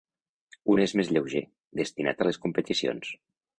Un és més lleuger, destinat a les competicions.